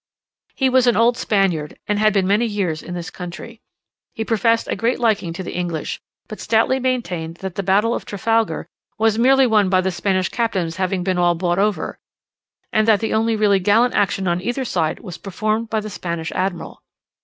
He was an old Spaniard, and had been many years in this country. He professed a great liking to the English, but stoutly maintained that the battle of Trafalgar was merely won by the Spanish captains having been all bought over; and that the only really gallant action on either side was performed by the Spanish admiral.